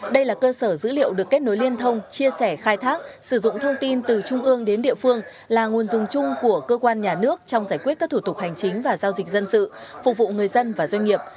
đây là cơ sở dữ liệu được kết nối liên thông chia sẻ khai thác sử dụng thông tin từ trung ương đến địa phương là nguồn dùng chung của cơ quan nhà nước trong giải quyết các thủ tục hành chính và giao dịch dân sự phục vụ người dân và doanh nghiệp